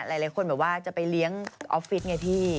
แล้วและคนอาจจะจะไปเลี้ยงออฟฟิศไงที่